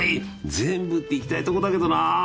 全部っていきたいとこだけどな！